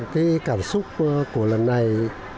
cái cảm xúc của lần này